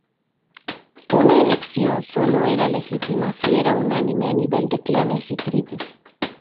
Una elección sólo era legítima si era unánime a nivel de clanes y tribus.